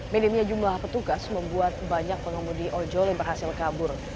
minimnya jumlah petugas membuat banyak pengemudi ojol yang berhasil kabur